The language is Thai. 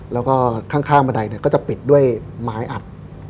แล้วก็ข้างบันไดก็จะปิดด้วยไม้อัด